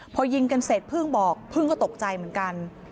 พอยิงกันเสร็จพึ่งบอกพึ่งก็ตกใจเหมือนกัน